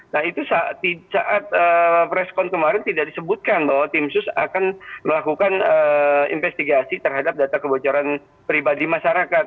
nah itu saat preskon kemarin tidak disebutkan bahwa tim sus akan melakukan investigasi terhadap data kebocoran pribadi masyarakat